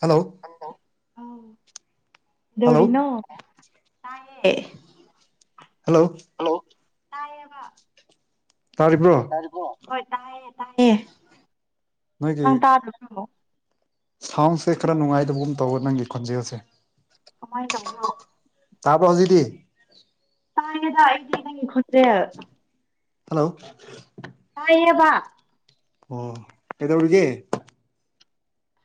hello ꯀꯩꯗꯧꯔꯤꯅ ꯇꯑꯦ hello ꯇꯥꯏꯌꯦꯕ ꯇꯥꯔꯤꯕ꯭ꯔꯣ ꯍꯣꯏ ꯇꯥꯏꯌꯦ ꯇꯥꯏꯌꯦ ꯅꯣꯏꯒꯤ ꯅꯪ ꯇꯥꯗꯕ꯭ꯔꯣ ꯁꯥꯎꯟꯁꯦ ꯈꯔ ꯅꯨꯡꯉꯥꯏꯗꯕꯒꯨꯝ ꯇꯧꯕ ꯅꯪꯒꯤ ꯈꯣꯟꯖꯦꯜꯁꯦ ꯀꯃꯥꯏꯅ ꯇꯧꯕ꯭ꯔꯣ ꯇꯥꯕ꯭ꯔꯣ ꯍꯧꯖꯤꯛꯗꯤ ꯇꯥꯏꯌꯦꯗ ꯑꯩꯗꯤ ꯈꯣꯟꯖꯦꯜ ꯍꯜꯂꯣ ꯇꯌꯦꯕ ꯑꯣ ꯀꯩꯗꯧꯔꯤꯒꯦ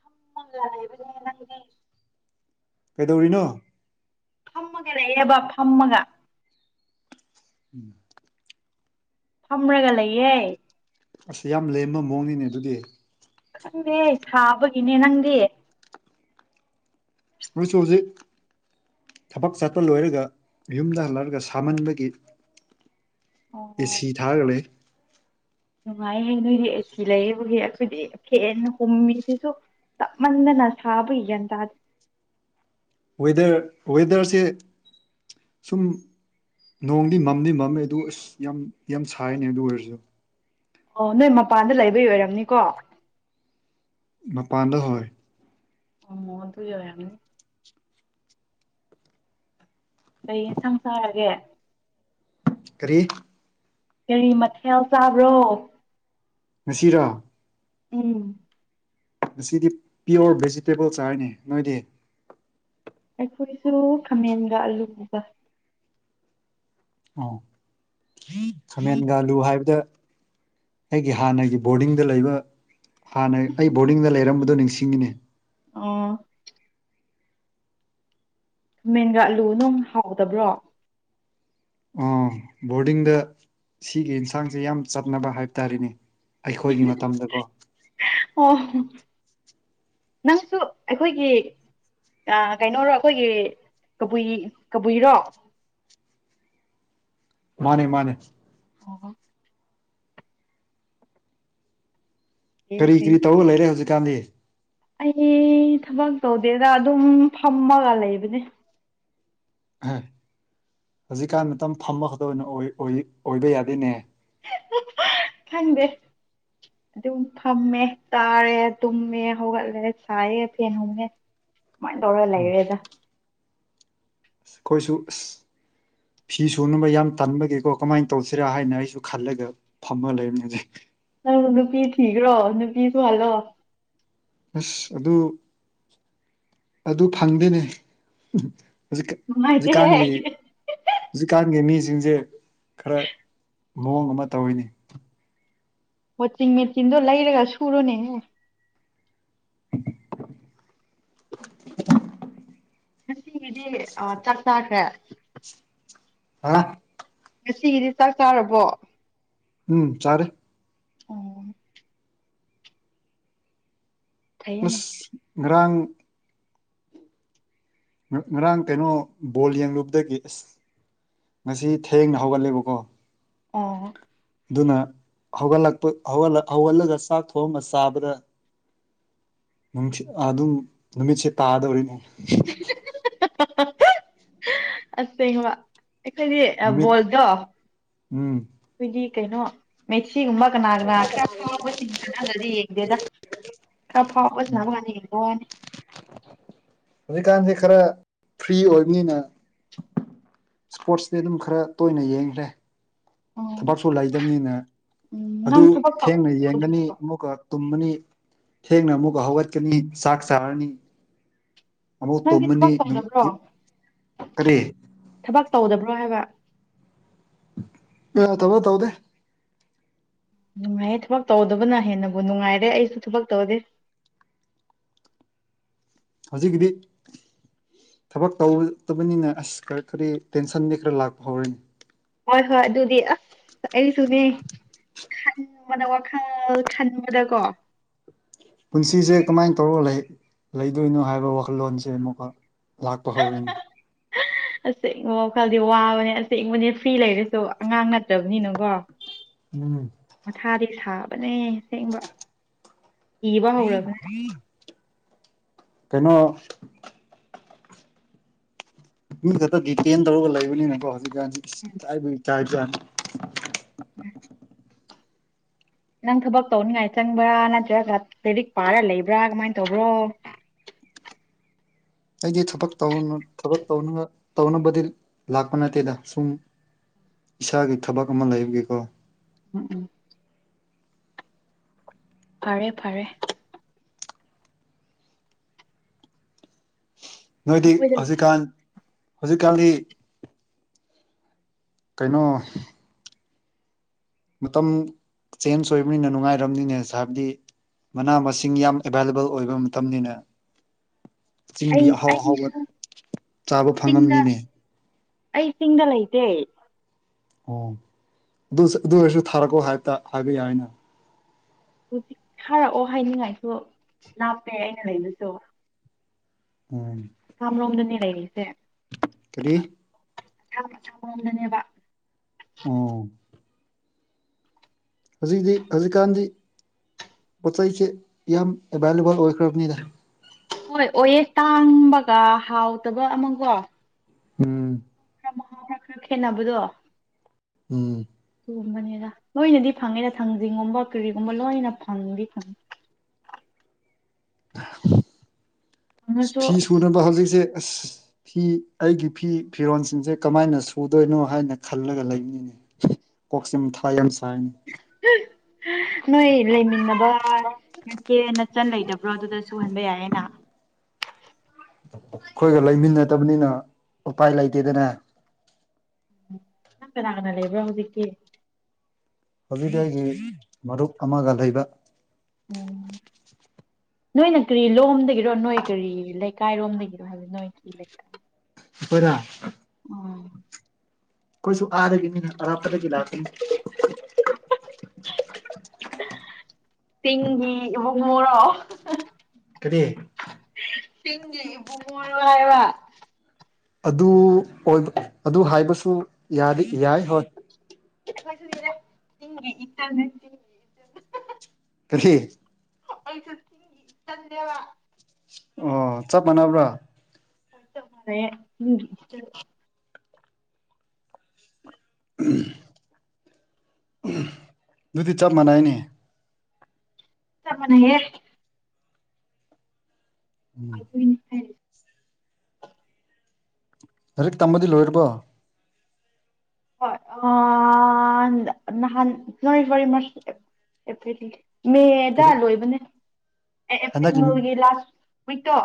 [unintelligible] ꯀꯩꯗꯧꯔꯤꯅꯣ ꯐꯝꯃꯒ ꯂꯩꯌꯦꯕ ꯐꯝꯃꯒ ꯎꯝ ꯐꯝꯃꯒ ꯂꯩꯌꯦ ꯑꯁ ꯌꯥꯝ ꯂꯦꯝꯕ ꯃꯑꯣꯡꯅꯤꯅꯦ ꯑꯗꯨꯗꯤ ꯈꯪꯗꯦ ꯁꯥꯕꯒꯤꯅꯦ ꯅꯪꯗꯤ ꯃꯣꯏꯁꯨ ꯍꯧꯖꯤꯛ ꯊꯕꯛ ꯆꯠꯄ ꯂꯣꯏꯔꯒ ꯌꯨꯝꯗ ꯍꯜꯂꯛꯔꯒ ꯁꯥꯃꯟꯕꯒꯤ ꯑꯣ ꯑꯦꯁꯤ ꯊꯥꯒ ꯂꯩ ꯅꯨꯡꯉꯥꯏꯍꯦ ꯅꯣꯏꯗꯤ ꯑꯁꯤ ꯑꯁꯤ ꯂꯩꯕꯒꯤ ꯑꯩꯈꯣꯏꯗꯤ ꯐꯦꯟ ꯍꯨꯝꯃꯤꯁꯤꯁꯨ ꯇꯞ ꯃꯟꯗꯅ ꯁꯥꯕꯒꯤ ꯒ꯭ꯌꯥꯟ ꯇꯥꯗꯦ ꯋꯦꯗꯔ ꯋꯦꯗꯔꯁꯦ ꯁꯨꯝ ꯅꯣꯡꯗꯤ ꯃꯝꯗꯤ ꯃꯝꯃꯦ ꯑꯗꯨ ꯑꯁ ꯌꯥꯝ ꯌꯥꯝ ꯁꯥꯏꯅꯦ ꯑꯗꯨ ꯑꯣꯏꯔꯁꯨ ꯑꯣ ꯅꯣꯏ ꯃꯄꯥꯟꯗ ꯂꯩꯕ ꯑꯣꯏꯔꯝꯅꯤꯀꯣ ꯃꯄꯥꯟꯗ ꯍꯣꯏ ꯎ ꯑꯣ ꯑꯗꯨ ꯑꯣꯏꯔꯝꯅꯤ ꯀꯩ ꯌꯦꯟꯁꯥꯡ ꯆꯥꯔꯒꯦ ꯀꯔꯤ ꯀꯔꯤ ꯃꯊꯦꯜ ꯆꯥꯕ꯭ꯔꯣ ꯉꯁꯤꯔꯥ ꯎꯝ ꯑꯁꯤꯗꯤ ꯄꯤꯌꯣꯔ ꯚꯦꯖꯤꯇꯦꯕꯜ ꯆꯥꯔꯤꯅꯦ ꯅꯣꯏꯗꯤ ꯑꯩꯈꯣꯏꯁꯨ ꯈꯥꯃꯦꯟꯒ ꯑꯂꯨꯒ ꯑꯣ ꯈꯃꯦꯟꯒꯥꯂꯨ ꯍꯥꯏꯕꯗ ꯑꯩꯒꯤ ꯍꯥꯟꯅꯒꯤ ꯕꯣꯔꯗꯤꯡꯗ ꯂꯩꯕ ꯍꯥꯟꯅ ꯑꯩ ꯕꯣꯔꯗꯤꯡꯗ ꯂꯩꯔꯝꯕꯗꯣ ꯅꯤꯡꯁꯤꯡꯉꯤꯅꯦ ꯑꯣ ꯈꯥꯃꯦꯟꯒꯥꯑꯂꯨ ꯅꯨꯡ ꯍꯥꯎꯇꯕ꯭ꯔꯣ ꯑꯣ ꯕꯣꯔꯗꯤꯡꯗ ꯁꯤꯒꯤ ꯌꯦꯟꯁꯥꯡꯁꯦ ꯌꯥꯝ ꯆꯠꯅꯕ ꯍꯥꯏꯕ ꯇꯥꯔꯦꯅꯦ ꯑꯩꯈꯣꯏꯒꯤ ꯃꯇꯝꯗꯀꯣ ꯑꯣ ꯅꯪꯁꯨ ꯑꯩꯈꯣꯏꯒꯤ ꯀꯩꯅꯔꯣ ꯑꯩꯈꯣꯏꯒꯤ ꯀꯕꯨꯏ ꯀꯕꯨꯏꯔꯣ ꯃꯥꯅꯦ ꯃꯥꯅꯦ ꯑꯣ ꯐꯩꯌꯦ ꯀꯔꯤ ꯐꯩꯌꯦ ꯀꯔꯤ ꯇꯧꯔ ꯂꯩꯔꯦ ꯍꯧꯖꯤꯛ ꯀꯥꯟꯗꯤ ꯑꯩ ꯊꯕꯛ ꯇꯧꯗꯦꯗ ꯑꯗꯨꯝ ꯐꯝꯃꯒ ꯂꯩꯕꯅꯦ ꯍ ꯍꯧꯖꯤꯛꯀꯥꯟ ꯃꯇꯝ ꯐꯝꯕ ꯈꯛꯇ ꯑꯣꯏ- ꯑꯣꯏ ꯑꯣꯏꯕ ꯌꯥꯗꯦꯅꯦ ꯈꯪꯗꯦ ꯑꯗꯨꯝ ꯐꯝꯃꯦ ꯇꯥꯔꯦ ꯇꯨꯝꯃꯦ ꯍꯧꯒꯠꯂꯦ ꯁꯥꯏꯌꯦ ꯐꯦꯟ ꯍꯨꯝꯃꯦ ꯃꯥꯏ ꯇꯧꯔ ꯂꯩꯔꯦꯗ ꯈꯣꯏꯁꯨ ꯑꯁ ꯐꯤ ꯁꯨꯅꯕ ꯌꯥꯝ ꯇꯟꯕꯒꯤꯀꯣ ꯀꯃꯥꯏꯅ ꯇꯧꯁꯤꯔꯥ ꯍꯥꯏꯅ ꯑꯩꯁꯨ ꯈꯜꯂꯒ ꯐꯝꯃ ꯂꯩꯝꯅꯤꯅꯦ ꯅꯪ ꯅꯨꯄꯤ ꯊꯤꯈ꯭ꯔꯣ ꯅꯨꯄꯤ ꯁꯨꯍꯜꯂꯣ ꯑꯁ ꯑꯗꯨ ꯑꯗꯨ ꯐꯪꯗꯦꯅꯦ ꯍꯧꯖꯤꯛ ꯍꯧꯖꯤꯛꯀꯥꯟꯒꯤ ꯅꯨꯡꯉꯥꯏꯇꯦꯍꯦ ꯍꯧꯖꯤꯛꯀꯥꯟꯒꯤ ꯃꯤ ꯁꯤꯡꯖꯦ ꯈꯔ ꯃꯑꯣꯡ ꯑꯃ ꯇꯧꯋꯤꯅꯤ ꯋꯥꯆꯤꯡ ꯃꯦꯆꯤꯟꯗꯣ ꯂꯩꯔꯒ ꯁꯨꯔꯣꯅꯦ [unintelligible] [inaudible] ꯉꯁꯤ ꯏꯗꯤ ꯑ ꯆꯥꯛꯈꯔ꯭ꯦ ꯍꯥ ꯉꯁꯤꯒꯤꯗꯤ ꯆꯥꯛ ꯆꯥꯔꯕꯣ ꯎꯝ ꯆꯥꯔꯦ ꯑꯣ ꯐꯩꯌꯦꯅꯦ ꯎꯁ ꯉꯔꯥꯡ ꯉꯔꯥꯡ ꯀꯩꯅꯣ ꯕꯣꯜ ꯌꯦꯡꯂꯨꯕꯗꯒꯤ ꯑꯁ ꯉꯁꯤ ꯊꯦꯡꯅ ꯍꯧꯒꯠꯂꯦꯕꯀꯣ ꯑ ꯑꯗꯨꯅ ꯍꯧꯒꯠꯂꯛꯄ ꯍꯧꯒ ꯍꯧꯒꯠꯂꯒ ꯆꯥꯛ ꯊꯣꯡꯉ ꯆꯥꯕꯗ [unintelligible] ꯑꯗꯨꯝ ꯅꯨꯃꯤꯠꯁꯦ ꯇꯥꯗꯧꯔꯤ [unintelligible] ꯑꯁꯦꯡ ꯋꯥ ꯑꯈꯣꯏꯗꯤ ꯑꯥ ꯅꯨꯃꯤꯠ ꯕꯣꯜꯗꯣ ꯎꯝ ꯑꯈꯣꯏꯗꯤ ꯀꯩ ꯁꯤꯒꯨꯝꯕ ꯀꯅꯥ ꯀꯅꯥ ꯈꯔ ꯐꯥꯎꯕꯁꯤꯡ ꯁꯥꯅꯗ꯭ꯔꯗꯤ ꯌꯦꯡꯗꯦꯗ ꯈꯔ ꯐꯥꯎ [unintelligible] ꯋꯥꯅꯤ ꯍꯧꯖꯤꯛꯀꯥꯟꯁꯦ ꯈꯔ ꯐ꯭ꯔꯤ ꯑꯣꯏꯕꯅꯤꯅ ꯏꯁꯄꯣꯔꯠꯁꯇꯤ ꯑꯗꯨꯝ ꯈꯔ ꯇꯣꯏꯅ ꯌꯦꯡꯈ꯭ꯔꯦ ꯑꯣ ꯊꯕꯛꯁꯨ ꯂꯩꯗꯕꯅꯤꯅꯦ ꯎꯝ ꯑꯗꯨ ꯅꯪ ꯊꯕꯛ ꯊꯦꯡꯅ ꯌꯦꯡꯒꯅꯤ ꯇꯧꯗꯕ꯭ꯔꯣ ꯑꯃꯨꯛꯀ ꯇꯨꯝꯃꯅꯤ ꯊꯦꯡꯅ ꯑꯃꯨꯛꯀ ꯍꯧꯒꯠꯀꯅꯤ ꯆꯥꯛ ꯆꯥꯔꯅꯤ ꯑꯃꯨꯛ ꯅꯪꯗꯤ ꯇꯨꯝꯃꯅꯤ ꯊꯕꯛ ꯇꯧꯗꯕ꯭ꯔꯣ [unintelligible] ꯀꯔꯤ ꯊꯕꯛ ꯇꯧꯗꯕ꯭ꯔꯣ ꯍꯥꯏꯕ ꯑ ꯇꯧꯗꯦ ꯇꯧꯗꯦ ꯅꯨꯡꯉꯥꯏꯌꯦ ꯊꯕꯛ ꯇꯧꯗꯕꯅ ꯍꯦꯟꯅꯕꯨ ꯅꯨꯡꯉꯥꯏꯔꯦ ꯑꯩꯁꯨ ꯊꯕꯛ ꯇꯧꯗꯦ ꯍꯧꯖꯤꯛꯀꯤꯗꯤ ꯊꯕꯛ ꯇꯧꯗꯕꯅꯤꯅ ꯑꯁ ꯀꯔꯤ ꯀꯔꯤ ꯇꯦꯟꯁꯟꯗꯤ ꯈꯔ ꯂꯥꯛꯄ ꯍꯧꯔꯅꯤ ꯍꯣꯏ ꯍꯣꯏ ꯑꯗꯨꯗꯤ ꯑꯁ ꯑꯩꯁꯨꯅꯦ ꯈꯟꯕꯗ ꯋꯥꯈꯜ ꯈꯟꯕꯗꯀꯣ ꯄꯨꯟꯁꯤꯖꯦ ꯀꯃꯥꯏ ꯇꯧꯔ ꯂꯩ ꯂꯩꯗꯣꯏꯅꯣ ꯍꯥꯏꯕ ꯋꯥꯈꯜꯂꯣꯟꯁꯦ ꯑꯃꯨꯛꯀ ꯂꯥꯛꯄ ꯍꯧꯔꯤꯅꯤ ꯑꯁꯦꯡꯕ ꯋꯥꯈꯜꯗꯤ ꯋꯥꯕꯅꯦ ꯑꯁꯦꯡꯕꯅꯦ ꯐ꯭ꯔꯤ ꯂꯩꯔꯁꯨ ꯑꯉꯥꯡ ꯅꯠꯇꯕꯅꯤꯅꯀꯣ ꯎꯝ ꯃꯊꯥꯗꯤ ꯁꯥꯕ ꯅꯦ ꯁꯦꯡꯕ ꯏꯕ ꯍꯧꯔꯕꯅꯦ ꯀꯩꯅꯣ [unintelligible] ꯇꯧꯔꯒ ꯂꯩꯕꯅꯤꯅꯀꯣ [unintelligible] ꯇꯥꯔꯖꯥꯟ [unintelligible] ꯅꯪ ꯊꯕꯛ ꯇꯧꯅꯤꯡꯉꯥꯏ ꯆꯪꯕ꯭ꯔꯥ ꯅꯠꯇ꯭ꯔꯒ ꯂꯥꯏꯔꯤꯛ ꯄꯥꯔ ꯂꯩꯕ꯭ꯔꯥ ꯀꯃꯥꯏ ꯇꯧꯕ꯭ꯔꯣ ꯑꯩꯗꯤ ꯊꯕꯛ ꯊꯕꯛ ꯇꯧꯅꯕ ꯇꯧꯅꯕꯗꯤ ꯂꯥꯛꯄ ꯅꯠꯇꯦꯗ ꯁꯨꯝ ꯏꯁꯥꯒꯤ ꯊꯕꯛ ꯑꯃ ꯂꯩꯕꯒꯤꯀꯣ ꯎꯝ ꯎꯝ ꯐꯔꯦ ꯐꯔꯦ ꯅꯣꯏꯗꯤ ꯑꯩꯈꯣꯏꯗ ꯍꯧꯖꯤꯛꯀꯥꯟ ꯍꯧꯖꯤꯛꯀꯥꯜꯒꯤ ꯀꯩꯅꯣ ꯃꯇꯝ ꯆꯦꯟꯖ ꯑꯣꯏꯕꯅꯤꯅ ꯅꯨꯡꯉꯥꯏꯔꯝꯅꯤꯅꯦ ꯍꯥꯏꯕꯗꯤ ꯃꯅꯥ ꯃꯁꯤꯡ ꯌꯥꯝ ꯑꯦꯕꯥꯏꯂꯦꯕꯜ ꯑꯣꯏꯕ ꯃꯇꯝꯅꯤꯅꯦ ꯆꯤꯡꯒꯤ ꯑꯩ ꯑꯍꯥꯎ ꯑꯍꯥꯎꯕ ꯑꯩꯁꯨ ꯆꯥꯕ ꯆꯤꯡꯗ ꯐꯪꯉꯝꯅꯤꯅꯦ ꯑꯩ ꯆꯤꯡꯗ ꯂꯩꯇꯦ ꯑꯣ ꯑꯗꯨ ꯑꯗꯨ ꯑꯣꯏꯔꯁꯨ ꯊꯥꯔꯛꯀꯣ ꯍꯥꯏ ꯍꯥꯏꯕ ꯌꯥꯏꯅ ꯍꯧꯖꯤꯛ ꯍꯥꯏꯔꯛꯑꯣ ꯍꯥꯏꯅꯤꯡꯉꯥꯏꯁꯨ ꯂꯥꯞꯄꯦ ꯑꯩꯅ ꯂꯩꯕꯁꯨ ꯎꯝ ꯀꯝꯔꯣꯝꯗꯅꯤ ꯂꯩꯔꯤꯁꯦ ꯀꯔꯤ ꯑꯁꯥꯞ ꯑꯁꯥꯕꯝꯗꯅꯦꯕ ꯑ ꯍꯧꯖꯤꯛꯇꯤ ꯍꯧꯖꯤꯛꯀꯥꯟꯗꯤ ꯄꯣꯠ ꯆꯩꯁꯦ ꯌꯥꯝ ꯑꯦꯚꯏꯂꯦꯕꯜ ꯑꯣꯏꯈ꯭ꯔꯕꯅꯤꯅ ꯍꯣꯏ ꯑꯣꯏꯑ ꯇꯥꯡꯕꯒ ꯍꯥꯎꯇꯕ ꯑꯃꯒꯣ ꯎꯝ ꯈꯔ ꯈꯦꯠꯅꯕꯗꯣ ꯎꯝ ꯨꯝꯕꯗ ꯂꯣꯏꯅꯗꯤ ꯐꯪꯉꯦꯗ ꯊꯥꯡꯖꯤꯡꯒꯨꯝꯕ ꯀꯔꯤꯒꯨꯝꯕ ꯂꯣꯏꯅ ꯐꯪꯗꯤ ꯐꯪꯉꯦ ꯐꯪꯉꯁꯨ ꯐꯤ ꯑꯁ ꯁꯨꯅꯕ ꯍꯧꯖꯤꯛꯁꯦ ꯑꯁ ꯐꯤ ꯑꯩꯒꯤ ꯐꯤ ꯐꯤꯔꯣꯟꯜꯁꯤꯡꯁꯦ ꯀꯃꯥꯏꯅ ꯁꯨꯗꯣꯏꯅꯣ ꯍꯥꯏꯅ ꯈꯜꯂꯒ ꯂꯩꯅꯤꯅꯦ ꯀꯣꯛꯆꯤꯡ ꯊꯥ ꯌꯥꯝ ꯁꯥꯏꯅꯦ ꯅꯣꯏ ꯂꯩꯃꯤꯟꯅꯕ ꯅꯠꯇꯦ ꯅꯠꯆꯟ ꯂꯩꯇꯕ꯭ꯔꯣ ꯑꯗꯨꯗ ꯁꯨꯍꯟꯕ ꯌꯥꯏꯌꯦꯅ ꯑꯩꯈꯣꯏꯒ ꯂꯩꯃꯤꯟꯅꯗꯕꯅꯤꯅ ꯎꯄꯥꯏ ꯂꯩꯇꯦꯗꯅꯦ ꯅꯪ ꯀꯅꯥ ꯀꯅꯥ ꯂꯩꯕ꯭ꯔꯥ ꯍꯧꯖꯤꯛꯇꯤ ꯍꯕꯤꯒꯤ ꯃꯔꯨꯞ ꯑꯃꯒ ꯂꯩꯕ ꯎꯝ ꯅꯣꯏꯅ ꯀꯔꯤ ꯂꯣꯝꯗꯒꯤꯔꯣ ꯅꯣꯏ ꯀꯔꯤ ꯂꯩꯀꯥꯏꯔꯣꯝꯗꯒꯤꯔꯣ ꯍꯥꯏꯕ ꯅꯣꯏ ꯀꯤ ꯂꯩꯀꯥꯏ ꯎꯄꯔ ꯎꯝ ꯀꯣꯏꯁꯨ ꯑꯥꯔꯒꯦꯅꯤꯅ ꯔꯄꯗ ꯏ ꯂꯥꯥꯁ ꯇꯦꯡꯉꯤ ꯑꯃꯁꯨꯡꯨꯡ ꯃꯣꯔꯣꯛ ꯀꯗꯤ ꯇ ꯏꯃꯨꯨꯕ ꯍꯥꯏꯕ ꯑꯗꯨ ꯑꯣꯏꯕ ꯑꯗꯨ ꯍꯥꯏꯕꯁꯨ ꯌꯥꯏ ꯍꯣꯏ ꯑꯩꯈꯣꯏꯁꯨꯅꯤꯔꯦ ꯇꯤꯡꯒꯤ ꯏꯇꯅꯦꯤꯡꯒꯤ ꯀꯔꯤ ꯑꯩꯁꯨ ꯊꯤꯤꯡꯤ ꯆꯟꯦ ꯋꯥ ꯑꯣ ꯆꯞ ꯃꯥꯟꯅꯕ꯭ꯔꯥ ꯄꯠꯇ ꯃ ꯎ ꯎꯝ ꯑꯗꯨꯗꯤ ꯆꯞ ꯃꯥꯟꯅꯩꯅꯦ ꯆ ꯃꯅꯦꯒꯦ ꯑꯗꯨꯅꯦ ꯍꯥꯏ ꯂꯖꯤꯛ ꯇꯝꯕꯗꯤ ꯂꯣꯏꯔꯕꯣ ꯍ ꯑ ꯅꯍꯥꯟ ꯅꯣꯏ ꯋꯥꯔꯤꯔꯤ ꯃꯦꯗꯥ ꯀꯔꯤ ꯂꯣꯏꯕꯅꯦ ꯍꯟꯗꯛꯀꯤ ꯅꯔꯒꯤ ꯂꯥꯁ ꯍꯣꯏꯇꯣ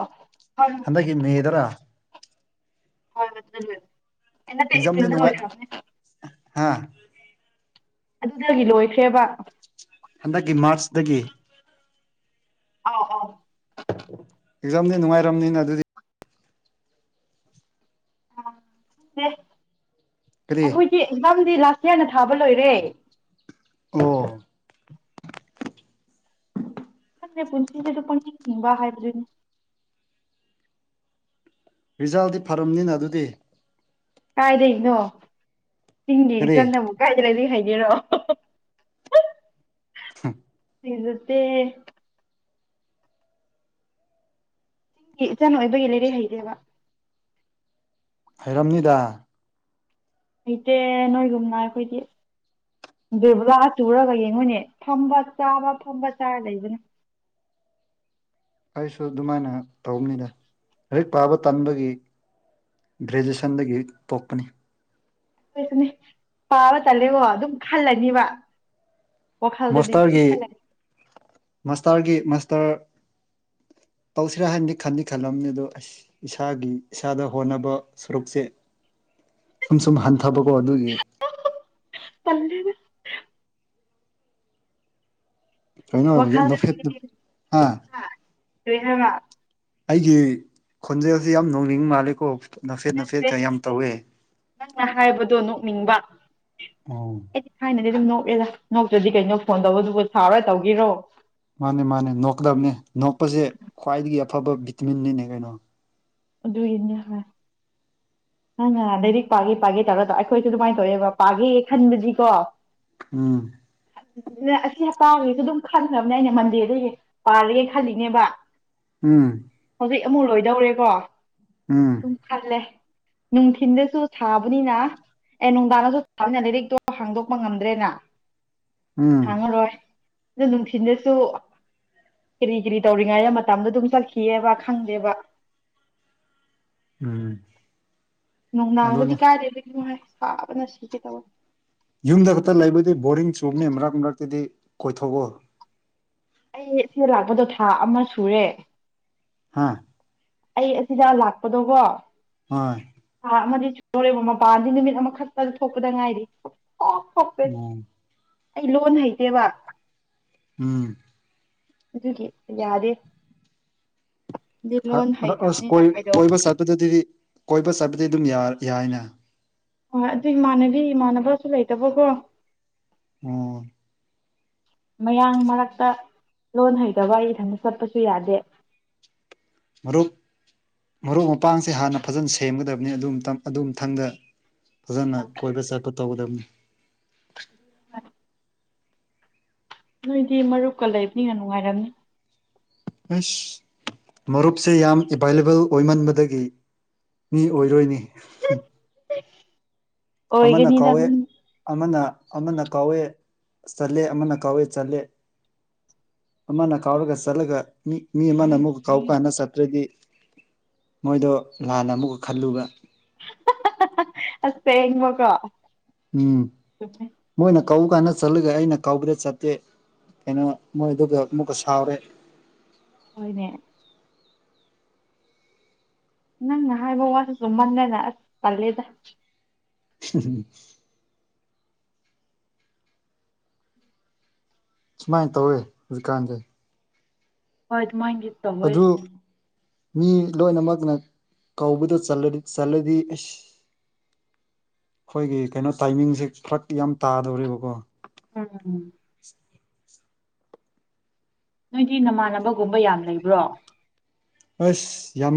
ꯍꯟꯗꯛꯀꯤ ꯃꯦꯗꯔ ꯍꯣꯏ ꯑꯩ ꯅꯠꯇꯦ ꯄꯔꯤꯂꯨꯅ ꯂꯣꯏꯔꯦ ꯍꯥꯏꯕꯥꯅꯦ ꯍꯥꯥ ꯑꯗꯨꯗꯒꯤ ꯂꯣꯏꯈ꯭ꯔꯦꯕ ꯍꯟꯗꯛꯀꯤ ꯃꯥꯔꯖ ꯇꯒꯤ ꯑꯥꯎ ꯑꯥꯎ ꯑꯦꯖꯝꯗꯤ ꯅꯨꯡꯉꯥꯏꯔꯝꯅꯤꯅ ꯑꯗꯨꯗꯤ ꯇꯦ ꯀꯔꯤ ꯑꯩꯈꯣꯏꯇꯤ ꯑꯦꯛꯖꯥꯝꯗꯤ ꯂꯥꯁ ꯌꯦꯅ ꯊꯥꯕ ꯂꯣꯏꯔꯦ ꯑꯣ ꯈꯪꯗꯦ ꯄꯨꯟꯁꯤꯁꯤꯗꯨ ꯄꯪꯍꯤꯡ ꯍꯤꯡꯕ ꯍꯥꯏꯕꯗꯨꯅꯤ ꯔꯤꯖꯜꯗꯤ ꯐꯔꯝꯅꯤꯅ ꯑꯗꯨꯗꯤ ꯀꯥꯏꯗꯩꯅꯣ ꯆꯤꯡꯒꯤ ꯀꯔꯤ ꯏꯆꯟꯅꯕꯨ ꯀꯥꯏꯗꯩ ꯂꯩꯔꯤꯀ ꯍꯩ ꯔꯣ ꯍꯝ ꯁꯤꯖꯠꯇꯦ ꯆꯤꯡꯒꯤ ꯏꯆꯟ ꯑꯣꯏꯕꯒꯤ ꯂꯩꯔꯤꯛ ꯍꯩꯇꯦꯕ ꯍꯩꯔꯝꯅꯤꯗ ꯍꯩ ꯅꯣꯏꯒꯨꯝꯅ ꯑꯩꯈꯣꯏꯗꯤ ꯕꯦꯕꯨꯂꯥꯆꯨꯔꯒ ꯌꯦꯡꯉꯨꯅꯦ ꯐꯝꯕ ꯆꯥꯕ ꯐꯝꯕ ꯆꯥꯔ ꯂꯩꯕꯅꯦ ꯑꯩꯁꯨ ꯑꯗꯨꯃꯥꯏꯅ ꯇꯧꯕꯅꯤꯗ ꯂꯥꯏꯔꯤꯛ ꯄꯥꯕ ꯇꯟꯕꯒꯤ ꯒ꯭ꯔꯦꯖꯁꯟꯗꯒꯤ ꯇꯣꯛꯄꯅꯤ ꯑꯩꯈꯣꯏꯁꯨꯅꯦ ꯄꯥꯕ ꯇꯜꯂꯦꯀꯣ ꯑꯗꯨꯝ ꯈꯜꯂꯅꯤꯕ ꯋꯥꯈꯜꯗꯗꯤ ꯗꯨꯝ ꯃꯥꯁꯇꯔꯒꯤ ꯈꯜꯂꯦ ꯃꯥꯁꯇꯔꯒꯤ ꯃꯥꯁꯇꯔ ꯇꯧꯁꯤꯔꯥ ꯍꯥꯏꯅꯗꯤ ꯈꯟꯗꯤ ꯈꯜꯂꯝꯅꯤ ꯑꯗꯣ ꯑꯁ ꯏꯁꯥꯒꯤ ꯏꯁꯥꯗ ꯍꯣꯠꯅꯕ ꯁꯔꯨꯛꯁꯦ ꯁꯨꯝ ꯁꯨꯝ ꯍꯟꯊꯕꯀꯣ ꯑꯗꯨꯒꯤ ꯇꯜꯂꯦꯗ ꯀꯩꯅꯣ ꯍꯧꯖꯤꯛ ꯅꯣꯛꯐꯦꯠꯇ ꯍꯥ ꯀꯩ ꯍꯥꯏꯕꯥ ꯑꯩꯒꯤ ꯈꯣꯟꯖꯦꯜꯁꯤ ꯌꯥꯝ ꯅꯣꯛꯅꯤꯡ ꯃꯥꯜꯂꯤꯀꯣ ꯅꯥꯐꯦꯠ ꯅꯥꯐꯦꯠ ꯅꯠꯇꯦ ꯀ ꯌꯥꯝ ꯇꯧꯋꯦ ꯅꯤꯡꯕ ꯑꯣ ꯑꯩꯗꯤ ꯊꯥꯏꯅꯗꯩ ꯑꯗꯨꯝ ꯅꯣꯛ ꯑꯦꯗ ꯅꯣꯛꯇ꯭ꯔꯗꯤ ꯀꯩꯅꯣ ꯐꯣꯟ ꯇꯧꯕꯗꯨꯕꯨ ꯁꯥꯥꯎꯔ ꯇꯧꯒꯤꯔꯣ ꯃꯥꯅꯦ ꯃꯥꯅꯦ ꯅꯣꯛꯀꯗꯕꯅꯦ ꯅꯣꯛꯄꯁꯦ ꯈ꯭ꯋꯥꯏꯗꯒꯤ ꯑꯐꯕ ꯕꯤꯇꯃꯤꯟꯅꯤꯅꯦ ꯀꯩꯅꯣ ꯑꯗꯨꯒꯤꯅꯦ ꯍꯥꯏ ꯅꯪ ꯅꯍꯥꯟꯗꯒꯤ ꯄꯥꯒꯦ ꯄꯥꯒꯦ ꯇꯧꯔ ꯇ ꯑꯩꯈꯣꯏꯁꯨ ꯑꯗꯨꯃꯥꯏꯅ ꯇꯧꯋꯦꯕ ꯄꯥꯒꯦ ꯈꯟꯕꯁꯤꯀꯣ ꯑꯝ ꯑꯁꯤ ꯍꯞꯇꯥꯒꯤꯁꯨ ꯑꯗꯨꯝ ꯈꯟꯈ꯭ꯔꯕꯅꯦ ꯑꯩꯅ ꯃꯟꯗꯦꯗꯒꯤ ꯄꯥꯔꯒꯦ ꯈꯜꯂꯤꯅꯦꯕ ꯎꯝ ꯀꯔꯤ ꯑꯃꯨꯛ ꯂꯣꯏꯗꯧꯔꯦꯀꯣ ꯎꯝ ꯈꯜꯂꯦ ꯅꯨꯡꯊꯤꯟꯗꯁꯨ ꯁꯥꯕꯅꯤꯅ ꯑꯦ ꯅꯨꯡꯗꯥꯡꯗꯁꯨ ꯁꯥꯕꯅꯤꯅ ꯂꯥꯏꯔꯤꯛꯇꯣ ꯍꯥꯡꯗꯣꯛꯄ ꯉꯝꯗ꯭ꯔꯦꯅ ꯎꯝ ꯍꯥꯡꯉ ꯔꯣꯏ ꯑ ꯅꯨꯡꯊꯤꯜꯗꯁꯨ ꯀꯔꯤ ꯀꯔꯤ ꯇꯧꯔꯤꯉꯩꯗ ꯃꯇꯝꯗꯣ ꯑꯗꯨꯝ ꯆꯠꯈꯤꯑꯕ ꯈꯪꯗꯦꯕ ꯎꯝ ꯅꯨꯡꯗꯥꯡꯒꯗꯤ ꯑꯗꯨꯅꯤ ꯀꯥꯏꯗꯩ ꯂꯥꯏꯔꯤꯛꯅꯣ ꯍꯩ ꯁꯥꯕ ꯅ ꯁꯤꯒꯦ ꯇꯧꯏ ꯌꯨꯝꯗ ꯈꯛꯇ ꯂꯩꯕꯗꯤ ꯕꯣꯔꯤꯡ ꯆꯨꯝꯕꯅꯤ ꯃꯔꯛ ꯃꯔꯛꯇꯗꯤ ꯀꯣꯏꯊꯣꯛꯑꯣ ꯑꯩ ꯁꯦ ꯂꯥꯛꯄꯗꯣ ꯊꯥ ꯑꯃ ꯁꯨꯔꯦ ꯍꯥꯥ ꯑꯩ ꯑꯁꯤꯗ ꯂꯥꯛꯄꯗꯣꯀꯣ ꯍꯣꯏ ꯊꯥ ꯑꯃꯗꯤ ꯅꯣꯔꯦꯕ ꯃꯄꯥꯟꯗꯤ ꯅꯨꯃꯤꯠ ꯑꯃꯈꯛꯇ ꯊꯣꯛꯄꯗ ꯉꯥꯏꯔꯤ ꯑꯣꯐ ꯎꯝ [unintelligible] ꯑꯩ ꯂꯣꯟ ꯍꯩꯇꯦꯕ ꯑꯝ ꯑꯗꯨꯒꯤ ꯌꯥꯗꯦ ꯑꯗꯨ ꯂꯣꯟ ꯑꯣꯏ ꯍꯩꯇꯕꯅꯤꯅ ꯀꯩꯗꯧ ꯀꯣꯏꯕ ꯆꯠꯄꯗꯗꯤ ꯀꯣꯏꯕ ꯆꯠꯄꯗꯤ ꯑꯗꯨꯝ ꯌꯥꯏꯅ ꯍꯣꯏ ꯑꯗꯨ ꯏꯃꯥꯟꯅꯕꯤ ꯏꯃꯥꯟꯅꯕꯁꯨ ꯂꯩꯇꯕꯀꯣ ꯑꯣ ꯃꯌꯥꯡ ꯃꯔꯛꯇ ꯂꯣꯟ ꯍꯩꯗꯕ ꯏꯊꯟꯇ ꯆꯠꯄꯁꯨ ꯌꯥꯗꯦ ꯃꯔꯨꯞ ꯃꯔꯨꯞ ꯃꯄꯥꯡꯁꯦ ꯍꯥꯟꯅ ꯐꯖꯅ ꯁꯦꯝꯒꯗꯕꯅꯤ ꯑꯗꯨꯝꯃꯊꯪꯗ ꯐꯖꯅ ꯀꯣꯏꯕ ꯆꯠꯄ ꯇꯧꯒꯗꯕꯅꯤ ꯅꯣꯏꯗꯤ ꯃꯔꯨꯞꯀ ꯂꯩꯕꯅꯤꯅ ꯅꯨꯡꯉꯥꯏꯔꯝꯅꯤ ꯑꯁ ꯃꯔꯨꯞꯁꯦ ꯌꯥꯝ ꯑꯦꯚꯥꯏꯂꯦꯕꯜ ꯑꯣꯏꯃꯟꯕꯗꯒꯤ ꯃꯤ ꯑꯣꯏꯔꯣꯏꯅꯦ ꯑ ꯑꯃꯅ ꯀꯥꯎꯋꯦ ꯑꯃꯅ ꯑꯃꯅ ꯀꯥꯎꯋꯦ ꯆꯠꯂꯦ ꯑꯃꯅ ꯀꯥꯎꯋꯦ ꯆꯠꯂꯦ ꯑꯃꯅ ꯀꯥꯎꯔꯒ ꯆꯠꯂꯒ ꯃꯤ ꯃꯤ ꯑꯃꯅ ꯑꯃꯨꯛꯀ ꯀꯥꯎꯀꯥꯟꯗ ꯆꯠꯇ꯭ꯔꯗꯤ ꯃꯣꯏꯗꯣ ꯂꯥꯟꯅ ꯑꯃꯨꯛꯀ ꯈꯜꯂꯨꯕ ꯑꯁꯦꯡꯕꯀꯣ ꯎꯝ ꯆꯨꯝꯃꯦ ꯃꯣꯏꯅ ꯀꯧ ꯀꯥꯟꯗ ꯆꯠꯂꯒ ꯑꯩꯅ ꯀꯧꯕꯗ ꯆꯠꯇꯦ ꯀꯩꯅꯣ ꯃꯣꯏꯗꯨꯒ ꯑꯃꯨꯛꯀ ꯁꯥꯎꯔꯦ ꯍꯣꯏꯅꯦ ꯅꯪꯅ ꯍꯥꯏꯕ ꯋꯥꯁꯤꯁꯨ ꯆꯨꯝꯃꯜꯟꯅꯦꯅ ꯑꯁ ꯇꯜꯂꯦꯗ ꯎꯝ ꯁꯨꯃꯥꯏꯅ ꯇꯧꯋꯦ ꯍꯧꯖꯤꯛꯀꯥꯟꯁꯦ ꯍꯣꯏ ꯁꯨꯃꯥꯏꯗꯤ ꯑꯗꯨ ꯇꯨꯋꯦꯁ ꯃꯤ ꯂꯣꯏꯅꯃꯛꯅ ꯀꯧꯕꯗ ꯆꯜꯂꯗꯤ ꯑꯁ ꯑꯩꯈꯣꯏꯒꯤ ꯀꯩꯅꯣ ꯇꯥꯏꯃꯤꯡꯁꯦ ꯐꯔꯛ ꯌꯥꯝ ꯇꯥꯗꯧꯔꯤꯕꯀꯣ ꯎꯝ ꯅꯣꯏꯗꯤ ꯅꯃꯥꯟꯅꯕꯒꯨꯝꯕ ꯌꯥꯝ ꯂꯩꯕ꯭ꯔꯣ ꯑꯁ ꯌꯥꯝꯅ